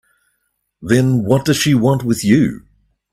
Then what does she want with you?